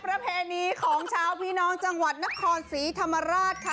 ประเพณีของชาวพี่น้องจังหวัดนครศรีธรรมราชค่ะ